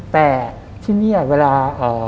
แต่ที่นี่เวลา